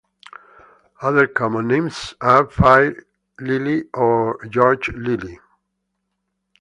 Other common names are fire lily or George lily.